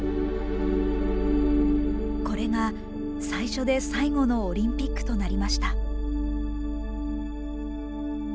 これが最初で最後のオリンピックとなりました。